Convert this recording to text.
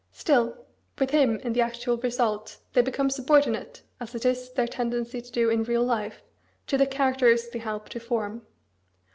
Still, with him, in the actual result, they become subordinate, as it is their tendency to do in real life, to the characters they help to form.